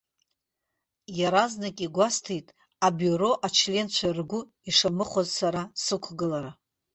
Иаразнак игәасҭеит, абиуро ачленцәа ргәы ишамыхәаз сара сықәгылара.